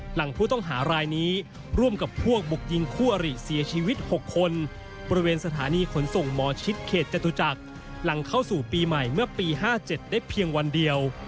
หลังผู้ต้องหารายนี้ร่วมกับพวกบุกยิงคู่อริเสียชีวิต๖คนบริเวณสถานีขนส่งหมอชิดเขตจตุจักรหลังเข้าสู่ปีใหม่เมื่อปี๕๗ได้เพียงวันเดียว